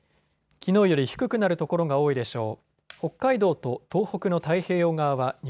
きのうより低くなる所が多いでしょう。